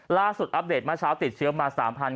ล่าสุดอัปเดตมาเช้าติดเชื้อมา๓๙๙๕